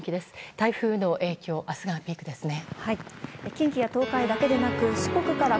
台風の影響、明日がピークですね。